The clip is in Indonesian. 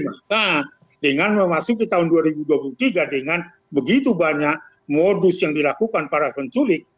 maka dengan memasuki tahun dua ribu dua puluh tiga dengan begitu banyak modus yang dilakukan para penculik